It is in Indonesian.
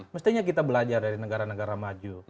mestinya kita belajar dari negara negara maju